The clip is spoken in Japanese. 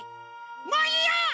もういいよ！